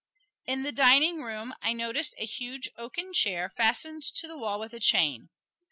In the dining room, I noticed a huge oaken chair fastened to the wall with a chain.